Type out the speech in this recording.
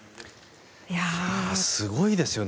すごいですよね。